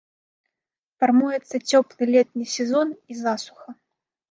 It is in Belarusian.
Фармуецца цёплы летні сезон і засуха.